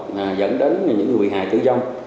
là dẫn đến những người bị hại tử dông